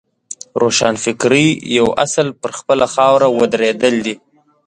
روښانفکرۍ یو اصل پر خپله خاوره ودرېدل دي.